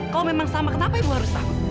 kalau memang sama kenapa ibu harus tahu